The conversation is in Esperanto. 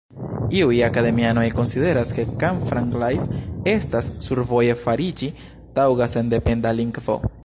Iuj akademianoj konsideras ke "Camfranglais" estas survoje fariĝi taŭga sendependa lingvo.